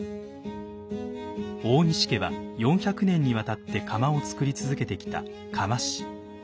大西家は４００年にわたって釜を作り続けてきた釜師。